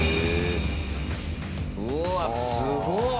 うわ、すごっ！